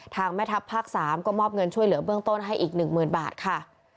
แม่ทัพภาค๓ก็มอบเงินช่วยเหลือเบื้องต้นให้อีก๑๐๐๐บาทค่ะ